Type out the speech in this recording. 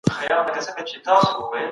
زه اجازه لرم چي کتاب واخلم.